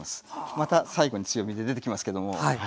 また最後に強火出てきますけどもはい。